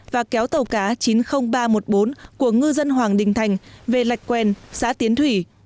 và kéo tàu cá chín mươi nghìn ba trăm một mươi bốn của ngư dân hoàng đình thành về lạch quen xã tiến thủy